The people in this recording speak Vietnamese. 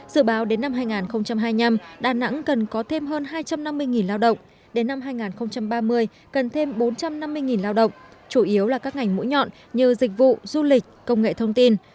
dự báo đến năm hai nghìn hai mươi năm đà nẵng cần có thêm hơn hai trăm năm mươi lao động đến năm hai nghìn ba mươi cần thêm bốn trăm năm mươi lao động chủ yếu là các ngành mũi nhọn như dịch vụ du lịch công nghệ thông tin